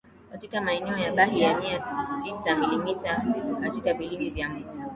katika maeneo ya Bahi na mia tisa Milimita katika vilima vya Mbulu